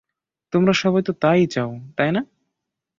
তোমরা সবাই তো তাই চাও, তাই না?